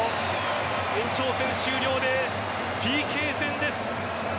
延長戦終了でＰＫ戦です。